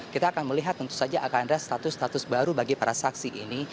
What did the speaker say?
kita akan melihat tentu saja akan ada status status baru bagi para saksi ini